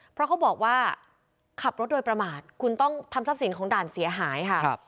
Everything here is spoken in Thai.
เพราะเขาบอกว่าขับรถโดยประมาทคุณต้องทำทรัพย์สินของด่านเสียหายค่ะ